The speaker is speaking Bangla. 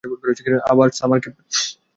আবার সামার ক্যাম্প।